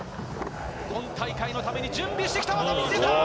今大会のために準備してきた技を見せた。